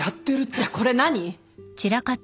じゃあこれ何？